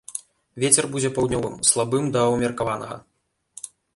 Вецер будзе паўднёвым, слабым да ўмеркаванага.